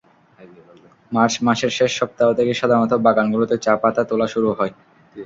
March মাসের শেষ সপ্তাহ থেকে সাধারণত বাগানগুলোতে চা-পাতা তোলা শুরু হয়।